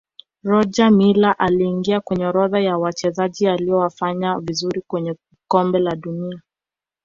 roger miller aliingia kwenye orodha ya Wachezaji waliofanya vizuri kwenye kombe la dunia